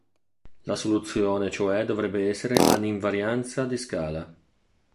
La soluzione cioè dovrebbe essere "ad invarianza di scala".